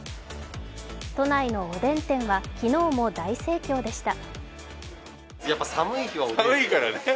都内のおでん店は昨日も大盛況でした。